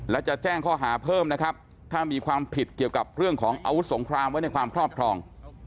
และจะแจ้งข้อหาเพิ่มนะครับถ้ามีความผิดเกี่ยวกับเรื่องของอาวุธสงครามไว้ในความครอบครอง